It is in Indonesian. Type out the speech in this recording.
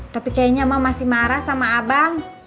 tapi kayaknya mama masih marah sama abang